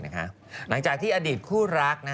หลังจากที่อดีตคู่รัก